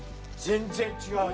全然違う！